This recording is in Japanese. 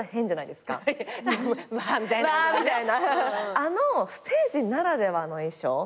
あのステージならではの衣装。